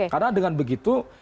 karena dengan begitu